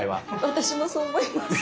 私もそう思います。